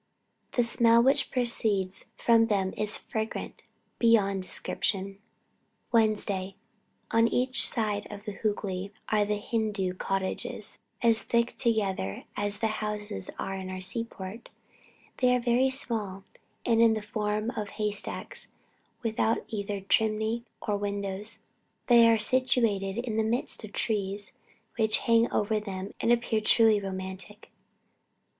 The smell which proceeds from them is fragrant beyond description. "Wednesday. On each side of the Hoogly are the Hindoo cottages, as thick together as the houses in our seaports. They are very small, and in the form of hay stacks, without either chimneys or windows. They are situated in the midst of trees which hang over them and appear truly romantic.